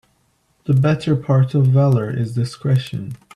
The better part of valor is discretion